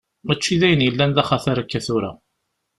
Mačči d ayen yellan d axatar akka tura.